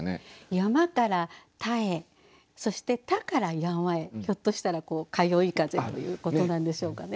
山から田へそして田から山へひょっとしたら「かよいかぜ」ということなんでしょうかね？